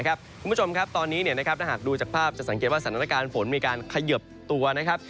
คุณผู้ชมครับตอนนี้ถ้าหากดูจากภาพจะสังเกตว่าสถานการณ์ฝนมีการเขยิบตัวนะครับ